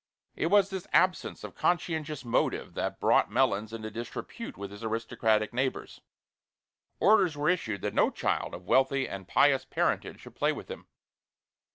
It was this absence of conscientious motive that brought Melons into disrepute with his aristocratic neighbors. Orders were issued that no child of wealthy and pious parentage should play with him.